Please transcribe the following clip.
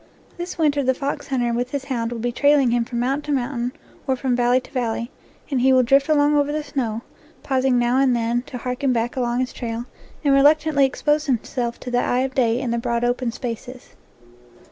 This winter the fox hunter with his hound will be trailing him from mountain to mountain or from valley to valley, and he will drift along over the snow, pausing now and then to harken back along his trail, and reluctantly expose himself to the eye of day in the broad open spaces.